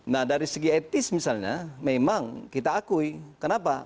nah dari segi etis misalnya memang kita akui kenapa